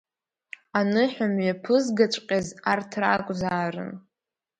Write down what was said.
Аныҳәа мҩаԥызгаҵәҟьаз арҭ ракәзаарын.